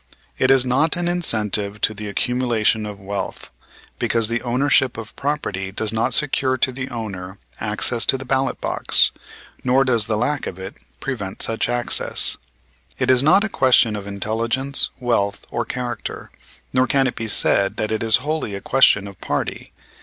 It is not an incentive to the accumulation of wealth; because the ownership of property does not secure to the owner access to the ballot box, nor does the lack of it prevent such access. It is not a question of intelligence, wealth or character, nor can it be said that it is wholly a question of party.